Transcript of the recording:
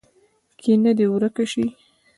کینه دې ورک شي.